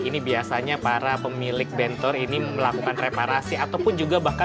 ini biasanya para pemilik bentor ini melakukan perubahan dan perubahan yang terjadi di kota makassar